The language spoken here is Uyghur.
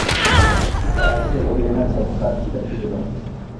ئەتىسى ئۇ يەنە سىرتقا چىقىپ كېتىدۇ.